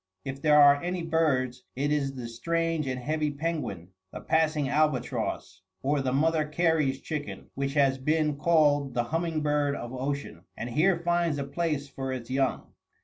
If there are any birds, it is the strange and heavy penguin, the passing albatross, or the Mother Cary's chicken, which has been called the humming bird of ocean, and here finds a place for its young.